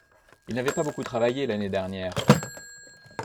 Il n’avait pas beaucoup travaillé l’année dernière.